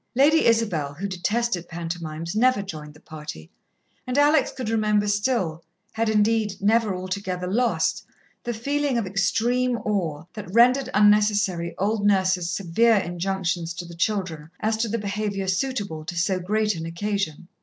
Lady Isabel, who detested pantomimes, never joined the party, and Alex could remember still had, indeed, never altogether lost the feeling of extreme awe that rendered unnecessary old Nurse's severe injunctions to the children as to the behaviour suitable to so great an occasion.